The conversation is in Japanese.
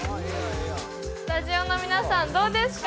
スタジオの皆さんどうですか？